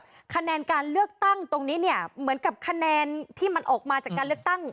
คะแนนการเลือกตั้งตรงนี้เนี่ยเหมือนกับคะแนนที่มันออกมาจากการเลือกตั้ง